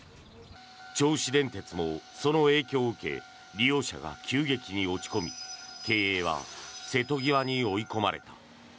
銚子電鉄もその影響を受け利用者が急激に落ち込み経営は瀬戸際に追い込まれた。